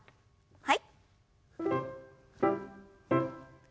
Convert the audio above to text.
はい。